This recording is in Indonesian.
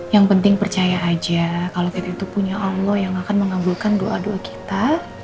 yang penting percaya aja kalau kita itu punya allah yang akan mengabulkan doa doa kita